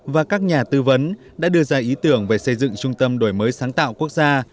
và các nhà tư vấn đã đưa ra ý tưởng về xây dựng trung tâm đổi mới sáng tạo quốc gia